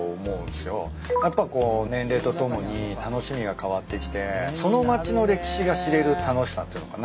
やっぱこう年齢とともに楽しみが変わってきてその町の歴史が知れる楽しさっていうのかな。